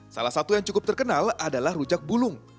salah satu yang cukup terkenal adalah rujak bulung